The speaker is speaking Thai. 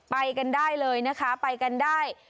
ไปกันได้เลยนะคะไปกันได้